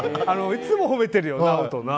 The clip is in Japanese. いつも褒めてるよね、会うとな。